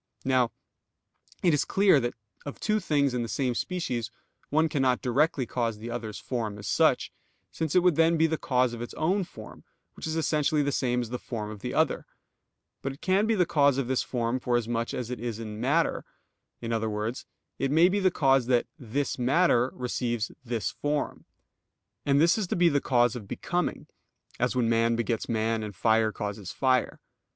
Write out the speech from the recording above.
Now it is clear that of two things in the same species one cannot directly cause the other's form as such, since it would then be the cause of its own form, which is essentially the same as the form of the other; but it can be the cause of this form for as much as it is in matter in other words, it may be the cause that "this matter" receives this form. And this is to be the cause of becoming, as when man begets man, and fire causes fire.